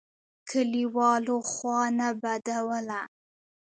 کلیوالو خوا نه بدوله.